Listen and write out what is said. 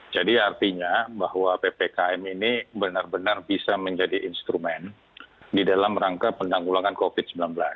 artinya bahwa ppkm ini benar benar bisa menjadi instrumen di dalam rangka penanggulangan covid sembilan belas